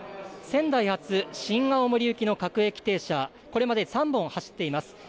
仙台発、新青森行きの各駅停車、これまで３本走っています。